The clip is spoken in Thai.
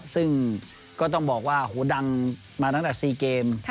ซึ่งก็ต้องบอกว่าโหดังมาตั้งแต่๔เกม